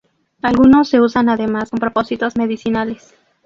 Algunos se usan además con propósitos medicinales.